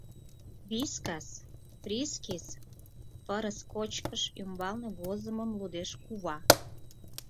— «Вискас», «Фрискис»... — пырыс кочкыш ӱмбалне возымым лудеш кува.